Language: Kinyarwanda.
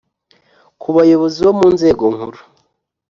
ku bayobozi bo mu nzego nkuru